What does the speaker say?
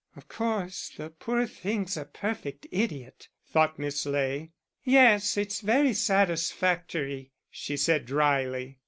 "Of course the poor thing's a perfect idiot," thought Miss Ley. "Yes, it's very satisfactory," she said, drily.